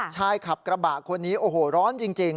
ชายขับกระบะคนนี้โอ้โหร้อนจริง